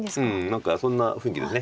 何かそんな雰囲気です。